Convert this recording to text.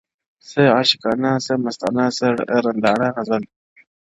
څه عاشقانه څه مستانه څه رندانه غزل-